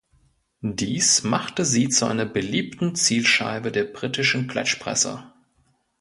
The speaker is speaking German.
Dies machte sie zu einer beliebten Zielscheibe der britischen Klatschpresse.